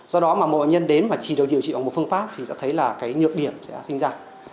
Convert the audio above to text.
do đó mà một bệnh nhân đến mà chỉ được điều trị bằng một phương pháp thì sẽ thấy là cái nhược điểm sẽ sinh ra